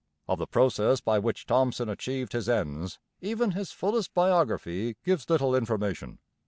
Of the process by which Thomson achieved his ends even his fullest biography gives little information.